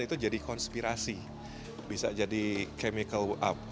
itu jadi konspirasi bisa jadi chemical up